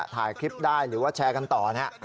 ถ่ายคลิปได้หรือว่าแชร์กันต่อเนี่ย